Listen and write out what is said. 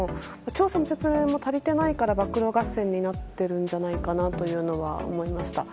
調査の説明も足りていないから暴露合戦になってるんじゃないかというのは思いました。